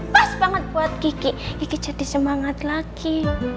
banget buat gigi gigi jadi semangat lagi